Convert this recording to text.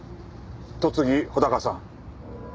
戸次穂高さん。